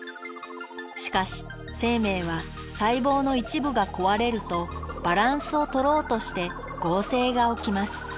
しかし生命は細胞の一部が壊れるとバランスを取ろうとして合成が起きます。